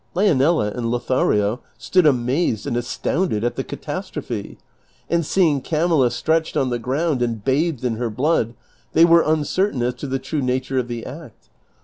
Leonela and Lothario stood amazed and astounded at the catas trophe, and seeing Camilla stretched on the ground and bathed in her blood they were uncertain as to the true nature of the act.